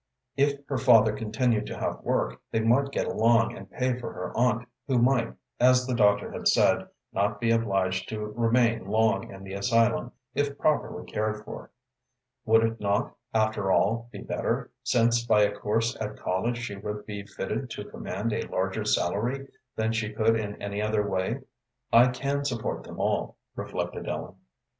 If her father continued to have work, they might get along and pay for her aunt, who might, as the doctor had said, not be obliged to remain long in the asylum if properly cared for. Would it not, after all, be better, since by a course at college she would be fitted to command a larger salary than she could in any other way. "I can support them all," reflected Ellen.